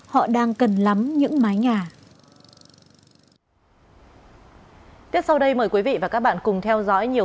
họ đang cần lắm những người